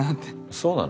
そうなの？